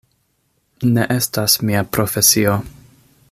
Ne estas mia profesio.